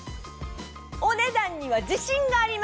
お値段には自信があります！